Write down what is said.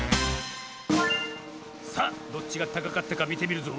さあどっちがたかかったかみてみるぞ。